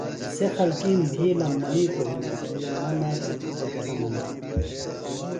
سےۡ خلکِیم بِھیلم منِیتوۡ ہِنوۡ کیۡ نہ نہ، بےۡ توۡ تھےۡ گنہ منانہ